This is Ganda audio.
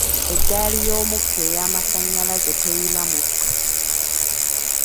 Eggaali y'omukka ey'amasannyalaze teyina mukka.